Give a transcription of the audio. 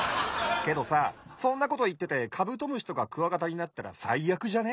けどさそんなこといっててカブトムシとかクワガタになったらさいあくじゃね？